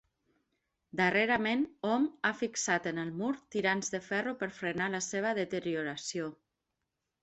Darrerament hom ha fixat en el mur tirants de ferro per frenar la seva deterioració.